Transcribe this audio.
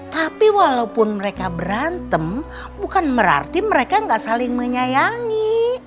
tapi walaupun mereka berantem bukan berarti mereka nggak saling menyayangi